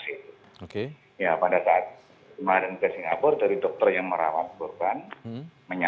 ini ada foto ditutupkan sebagai pelakunya